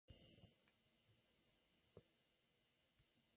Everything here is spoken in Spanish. La pena por incumplir esta norma es el exilio a un mundo colonizado.